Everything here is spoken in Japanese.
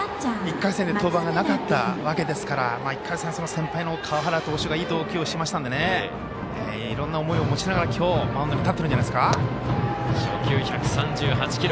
１回戦で登板がなかったわけですから１回戦、先輩の川原投手がいい投球しましたからいろんな思いを持ちながらきょうマウンドに立ってるんじゃないですか。